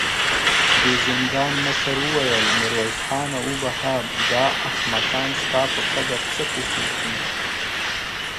د زندان مشر وويل: ميرويس خانه! وبخښه، دا احمقان ستا په قدر څه پوهېږې.